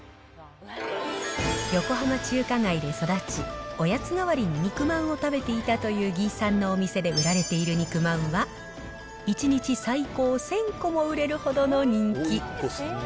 横浜中華街で育ち、おやつ代わりに肉まんを食べていたという魏さんのお店で売られている肉まんは、１日最高１０００個も売れるほどの人気。